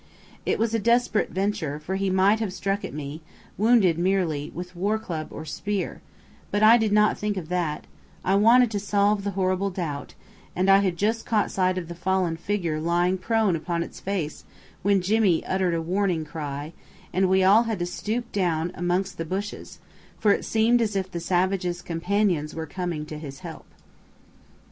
It was a desperate venture, for he might have struck at me, wounded merely, with war club or spear; but I did not think of that: I wanted to solve the horrible doubt, and I had just caught sight of the fallen figure lying prone upon its face when Jimmy uttered a warning cry, and we all had to stoop down amongst the bushes, for it seemed as if the savage's companions were coming to his help.